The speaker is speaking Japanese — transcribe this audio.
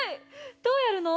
どうやるの？